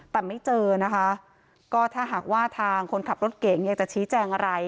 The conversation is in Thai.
แต่ไม่เจอนะคะก็ถ้าหากว่าทางคนขับรถเก่งอยากจะชี้แจงอะไร